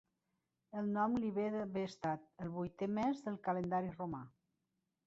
El nom li ve d'haver estat el vuitè mes del calendari romà.